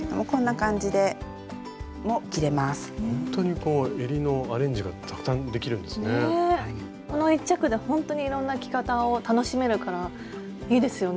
この１着でほんとにいろんな着方を楽しめるからいいですよね。